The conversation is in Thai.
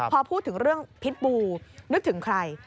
พอพูดถึงเรื่องพิษบูนึกถึงใคร